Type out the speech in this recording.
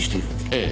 ええ。